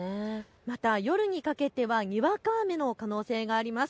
また夜にかけてはにわか雨の可能性があります。